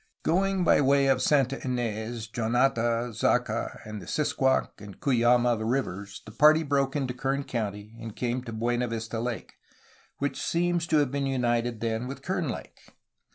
Going by way of Santa In^s, Jonata, Zaca, and the Sisquoc and Cuyama rivers, the party broke into Kern County and came to Buena Vista Lake, which seem^s to have been united then with Kern Lake.